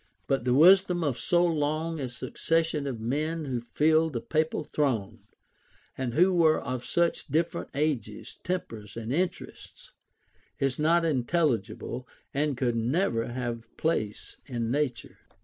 But the wisdom of so long a succession of men who filled the papal throne, and who were of such different ages, tempers, and interests, is not intelligible, and could never have place in nature.